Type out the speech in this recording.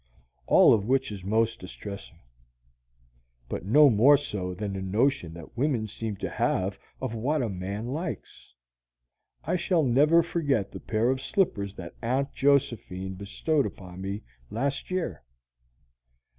All of which is most distressing; but no more so than the notion that women seem to have of what a man likes. I shall never forget the pair of slippers that Aunt Josephine bestowed upon me last year.